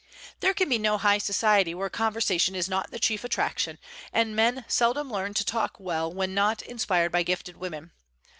There can be no high society where conversation is not the chief attraction; and men seldom learn to talk well when not inspired by gifted women.